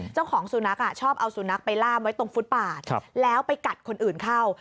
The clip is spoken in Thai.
เจ้าของสุนัขชอบเอาสุนัขไปล่ามไว้ตรงฟุตปาดแล้วไปกัดคนอื่นเข้า